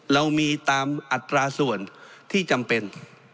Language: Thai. เรามีตามอัตราส่วนที่จำเป็น